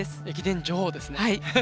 駅伝女王ですね。